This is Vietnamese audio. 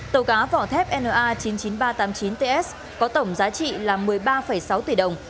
tàu cá vỏ thép na chín mươi chín nghìn ba trăm tám mươi chín ts có tổng giá trị là một mươi ba sáu tỷ đồng